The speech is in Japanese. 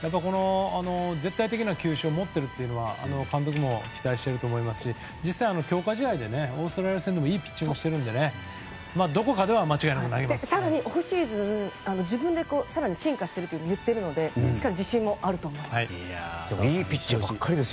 絶対的な球種を持っているのは監督も期待していると思いますし実際、強化試合でオーストラリア戦でいいピッチングをしているので更にオフシーズン自分で進化しているといっているので自信もあると思います。